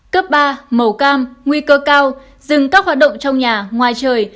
cấp ba màu cam nguy cơ cao dừng các hoạt động trong nhà ngoài trời